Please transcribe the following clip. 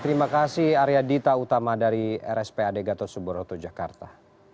terima kasih arya dita utama dari rspad gatosebroto jakarta